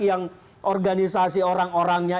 yang organisasi orang orangnya